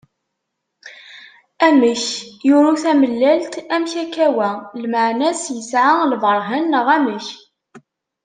Amek! yuru tamellalt, amek akka wa? Lmeɛna-s yesɛa lberhan neɣ amek?